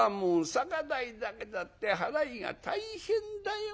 酒代だけだって払いが大変だよ。